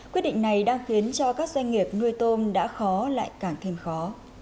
quyết định này đang khiến cho các doanh nghiệp nuôi tôm đã khó lại càng thêm khó